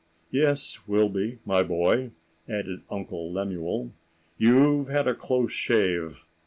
"Yes, Wilby, my boy," added Uncle Lemuel, "you've had a close shave.